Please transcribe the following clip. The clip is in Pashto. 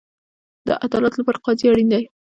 د عدالت لپاره قاضي اړین دی